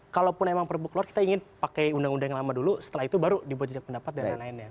kalaupun memang perbu keluar kita ingin pakai undang undang yang lama dulu setelah itu baru dibuat jejak pendapat dan lain lainnya